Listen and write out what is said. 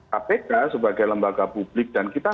kpk sebagai lembaga publik dan kita